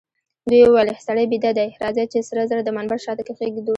دوی وویل: سړی بیده دئ، راځئ چي سره زر د منبر شاته کښېږدو.